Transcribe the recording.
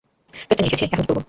কেসটা নিয়ে এসেছি, এখন কী করবো?